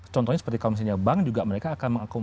contohnya seperti komisinya bank juga mereka akan mengedukasikan